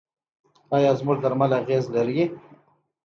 آیا زموږ درمل اغیز لري؟